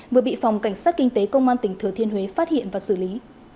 vừa bị phòng cảnh sát kinh tế công an tỉnh thừa thiên huế phát hiện và xử lý